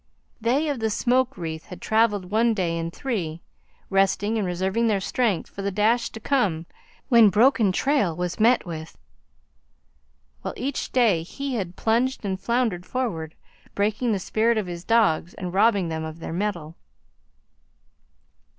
They of the smoke wreath had travelled one day in three, resting and reserving their strength for the dash to come when broken trail was met with; while each day he had plunged and floundered forward, breaking the spirit of his dogs and robbing them of their mettle.